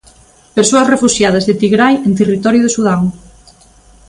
Persoas refuxiadas de Tigrai en territorio de Sudán.